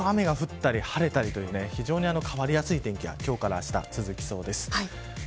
雨が降ったり晴れたりという変わりやすい天気か今日からあした、続きそうです。